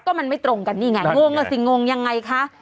ก็มันไม่ตรงกันนี่ไงงงอ่ะสิงงยังไงคะ